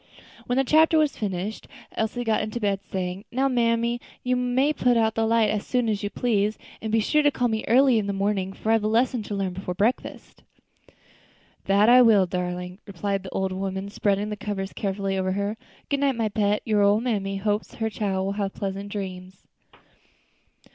When the chapter was finished Elsie got into bed, saying, "Now, mammy, you may put out the light as soon as you please; and be sure to call me early in the morning, for I have a lesson to learn before breakfast." "That I will, darlin'," replied the old woman, spreading the cover carefully over her. "Good night, my pet, your ole mammy hopes her chile will have pleasant dreams."